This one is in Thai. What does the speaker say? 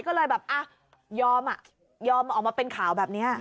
ก็เลยแบบอ่ะยอมอ่ะยอมออกมาเป็นข่าวแบบนี้